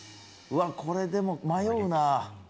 うわっこれでも迷うな。